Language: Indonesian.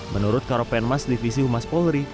menurut karopenmas divisi humas polri